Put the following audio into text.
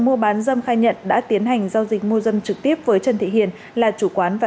mua bán dâm khai nhận đã tiến hành giao dịch mua dâm trực tiếp với trần thị hiền là chủ quán và